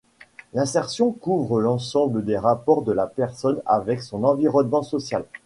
L'insertion couvre l'ensemble des rapports de la personne avec son environnement social.